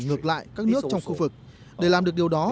ngược lại các nước trong khu vực để làm được điều đó